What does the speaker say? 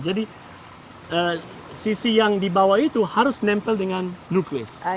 jadi sisi yang dibawah itu harus nempel dengan nuklis